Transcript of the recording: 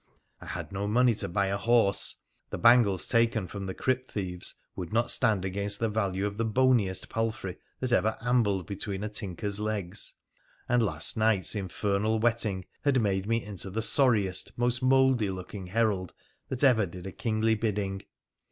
I had no money to buy a horse — the bangles taken from the crypt thieves would not stand against the value of the boniest palfrey that ever ambled between a tinker's legs — and last night's infernal wetting had made me into the sorriest, most mouldy looking herald that ever did a kingly bidding.